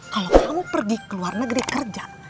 kalau kamu pergi ke luar negeri kerja